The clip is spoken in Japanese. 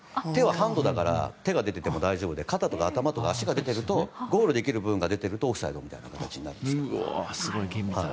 手はハンドだから手が出ていても大丈夫で肩とか足とかが出ているとゴールできる部分が出てるとオフサイドという形になります。